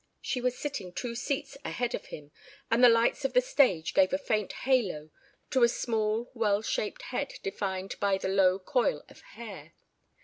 She was sitting two seats ahead of him and the lights of the stage gave a faint halo to a small well shaped head defined by the low coil of hair.